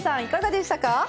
いかがでしたか？